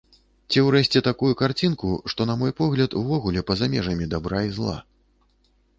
Ці ўрэшце такую карцінку, што, на мой погляд, увогуле па-за межамі дабра і зла.